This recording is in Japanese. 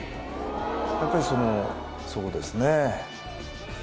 やっぱりそのそうですね。